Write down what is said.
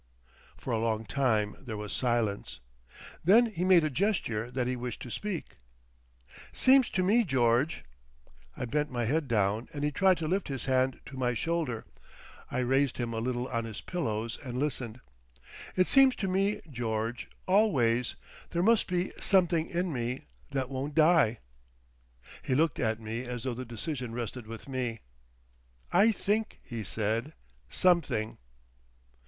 For a long time there was silence. Then he made a gesture that he wished to speak. "Seems to me, George" I bent my head down, and he tried to lift his hand to my shoulder. I raised him a little on his pillows, and listened. "It seems to me, George, always—there must be something in me—that won't die." He looked at me as though the decision rested with me. "I think," he said; "—something."